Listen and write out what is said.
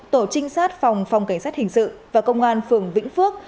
tổ trinh sát phòng phòng cảnh sát hình sự và công an phường vĩnh phước